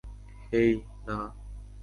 হেই, না।